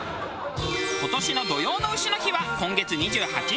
今年の土用の丑の日は今月２８日。